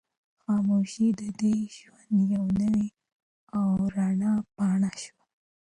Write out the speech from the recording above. خاموشي د ده د ژوند یوه نوې او رڼه پاڼه شوه.